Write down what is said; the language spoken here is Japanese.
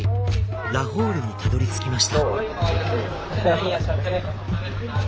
ラホールにたどりつきました。